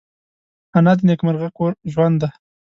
انا د نیکمرغه کور ژوند ده